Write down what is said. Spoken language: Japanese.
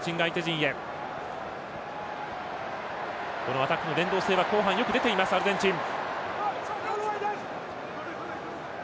アタックの連動性は後半よく出ているアルゼンチン。